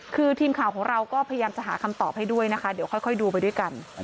คือทีมข่าวของเราก็พยายามจะหาคำตอบให้ด้วยนะคะเดี๋ยวค่อยดูไปด้วยกัน